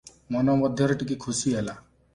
ମନ ମଧ୍ୟରେ ଟିକିଏ ଖୁସି ହେଲା ।